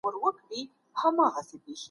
رسا صاحب عالم و.